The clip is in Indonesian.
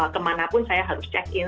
kemanapun saya harus check in